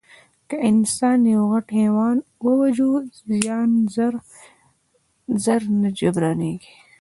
که انسان یو غټ حیوان واژه، زیان ژر نه جبرانېده.